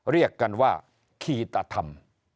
เรียกกันว่าคีตธรรม